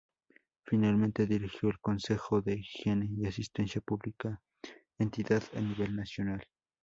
Finalmente, dirigió el Consejo de Higiene y Asistencia Pública, entidad a nivel nacional.